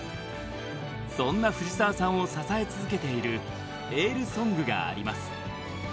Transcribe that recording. そんな藤澤さんを支え続けているエールソングがあります。